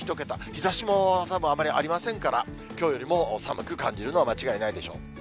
１桁、日ざしもあまりありませんからきょうよりも寒く感じるのは間違いないでしょう。